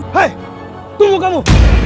hei tunggu kamu